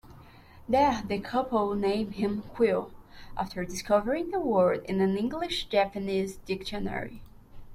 There, the couple name him "Quill", after discovering the word in an English-Japanese dictionary.